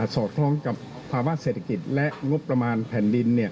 สอดคล้องกับภาวะเศรษฐกิจและงบประมาณแผ่นดิน